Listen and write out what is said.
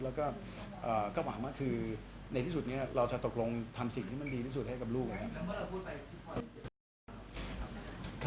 แล้วก็หวังว่าคือในที่สุดนี้เราจะตกลงทำสิ่งที่มันดีที่สุดให้กับลูกนะครับ